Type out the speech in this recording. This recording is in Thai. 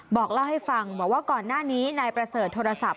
บอกเล่าให้ฟังบอกว่าก่อนหน้านี้นายประเสริฐโทรศัพท์